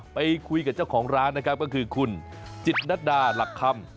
ไปคุยกับเจ้าของร้านนะครับก็คือคุณจิตนัดดาหลักคำ